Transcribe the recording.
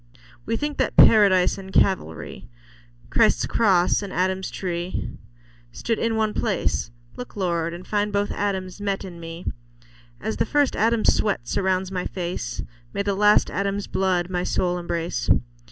We think that Paradise and Calvary, Christ's cross and Adam's tree, stood in one place ; Look, Lord, and find both Adams met in me ; As the first Adam's sweat surrounds my face, May the last Adam's blood my soul embrace.